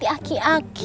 ibu dan ibu